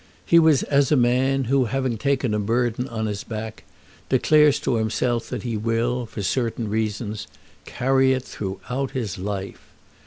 He was as a man who, having taken a burden on his back, declares to himself that he will, for certain reasons, carry it throughout his life.